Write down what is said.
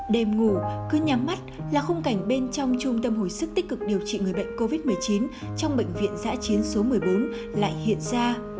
đêm ngủ cứ nháng mắt là khung cảnh bên trong trung tâm hồi sức tích cực điều trị người bệnh covid một mươi chín trong bệnh viện giã chiến số một mươi bốn lại hiện ra